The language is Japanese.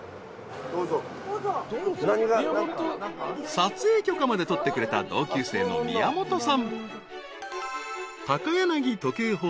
［撮影許可まで取ってくれた同級生の宮本さん］